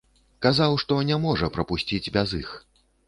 Казаў, што не можа прапусціць без іх.